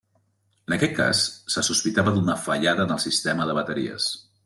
En aquest cas, se sospitava d'una fallada en el sistema de bateries.